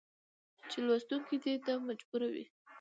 چې لوستونکى دې ته مجبور وي